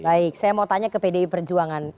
baik saya mau tanya ke pdi perjuangan